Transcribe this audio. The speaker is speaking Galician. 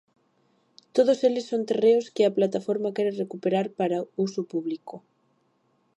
Todos eles son terreos que a plataforma quere recuperar para "uso público".